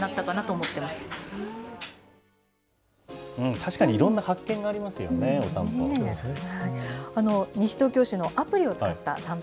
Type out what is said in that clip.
確かにいろんな発見がありますよね、お散歩。